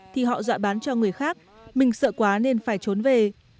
thì họ dọa bán cho người khác mình sợ quá nên phải trốn về